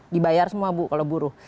dibayar semua bu kalau buruh